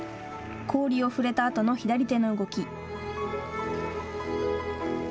氷を触れたあとの左手の動き。